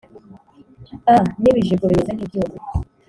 a n’ibijigo bimeze nk’ibyuma,